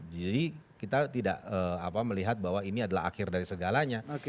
jadi kita tidak melihat bahwa ini adalah akhir dari segalanya